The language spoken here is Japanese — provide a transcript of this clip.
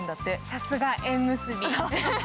さすが縁結び。